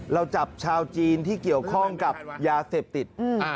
เราจับชาวจีนที่เกี่ยวข้องกับยาเสพติด